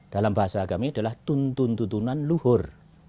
dalam bahasa agama ini adalah tuntunan luhur